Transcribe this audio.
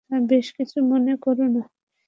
বেশ কিছু মনে কোরো না।